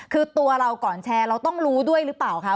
คือตัวเราก่อนแชร์เราต้องรู้ด้วยหรือเปล่าคะ